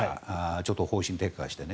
ちょっと方針転換してね。